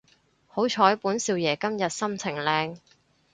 好彩本少爺今日心情靚